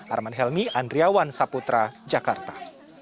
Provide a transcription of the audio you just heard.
arman helmi andriawan saputra jakarta